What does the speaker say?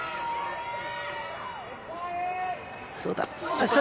そうだ。